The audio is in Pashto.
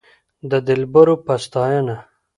د دلبرو په ستاينه